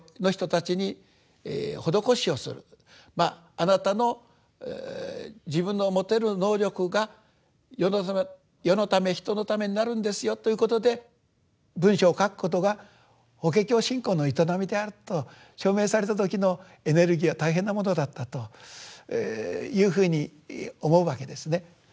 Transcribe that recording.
あなたの自分の持てる能力が世のため人のためになるんですよということで文章を書くことが法華経信仰の営みであると証明された時のエネルギーは大変なものだったというふうに思うわけですね。